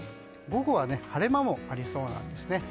午後は晴れ間もありそうです。